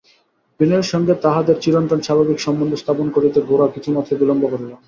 বিনয়ের সঙ্গে তাহাদের চিরন্তন স্বাভাবিক সম্বন্ধ স্থাপন করিতে গোরা কিছুমাত্র বিলম্ব করিল না।